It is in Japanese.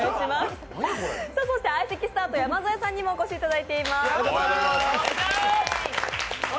相席スタート・山添さんにもお越しいただいています。